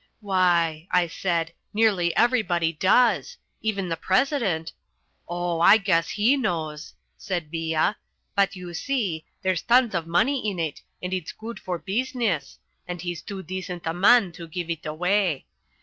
"Why," I said, "nearly everybody does. Even the President " "Oh, I guess he knows," said Villa, "but, you see, there's tons of money in it and it's good for business, and he's too decent a man to give It away.